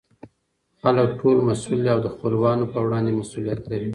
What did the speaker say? خلکو ټول مسئوول دي او دخپلوانو په وړاندې مسئولیت لري.